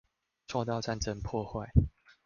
受到戰爭破壞